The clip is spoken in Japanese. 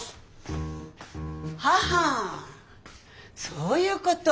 そういうこと。